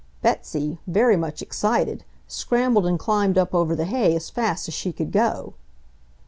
Betsy, very much excited, scrambled and climbed up over the hay as fast as she could go.